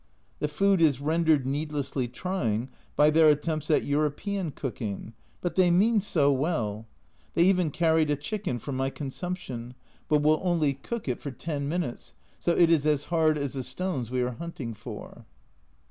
The food is rendered needlessly trying by their attempts at European cooking but they mean so well ! They even carried a chicken for my consumption, but will only cook it A Journal from Japan 17 for ten minutes, so it is as hard as the stones we are hunting for.